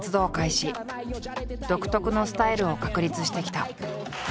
独特のスタイルを確立してきた。